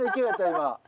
今。